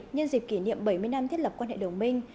nhân dịp kỷ niệm bảy mươi năm thiết lập quan hệ đồng minh